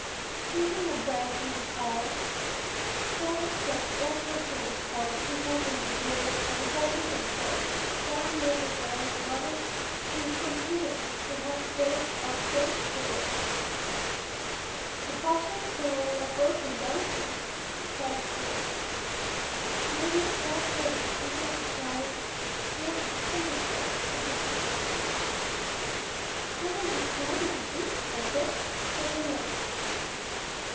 Taking a brand from the fire, Tad stepped over to the spot he had indicated and holding the torch down near the ground nodded to his companions who had pressed up close to the rope. "The bushes certainly are broken down there," declared Ned. "Maybe that's where the Professor tried to turn a somersault," suggested Stacy. "What were you trying to do, Professor?" chuckled Ned.